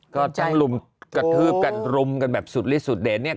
ก็ต้องลุมกระทืบกันรุมกันแบบสุดลิสุดเด่นเนี่ย